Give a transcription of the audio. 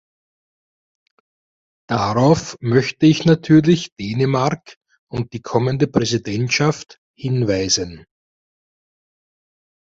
Darauf möchte ich natürlich Dänemark und die kommende Präsidentschaft hinweisen.